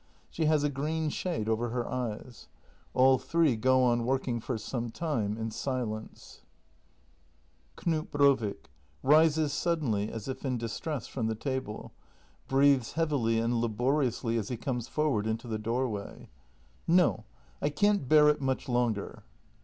She has a green shade over her eyes. — All three go on working for some time in silence. 245 246 THE MASTER BUILDER [act i Knut Brovik. [Rises suddenly, as if in distress, from the table; breathes heavily arid laboriously as he comes forward into the door way.'] No, I can't bear it much longer!